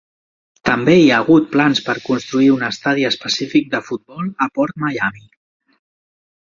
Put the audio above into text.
També hi ha hagut plans per construir un estadi específic de futbol a PortMiami.